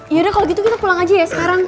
yaudah kalau gitu kita pulang aja ya sekarang